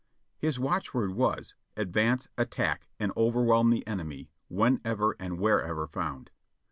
His watchword was, advance, attack, and overwhelm the enemy whenever and wherever found.